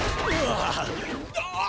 ああ！